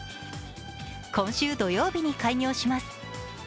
今週土曜日に開業します。